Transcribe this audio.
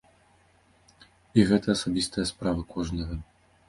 І гэта асабістая справа кожнага.